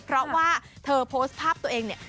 เพราะว่าเธอโพสต์ภาพตัวเองเนี่ย